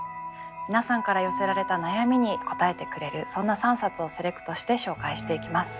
皆さんから寄せられた悩みに答えてくれるそんな３冊をセレクトして紹介していきます。